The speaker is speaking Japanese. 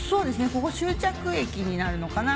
ここ終着駅になるのかな。